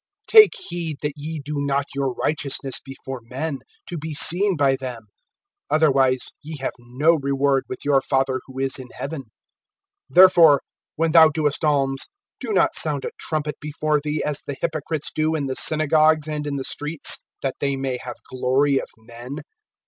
TAKE heed that ye do not your righteousness before men, to be seen by them; otherwise ye have no reward with your Father who is in heaven. (2)Therefore when thou doest alms, do not sound a trumpet before thee, as the hypocrites do in the synagogues and in the streets, that they may have glory of men.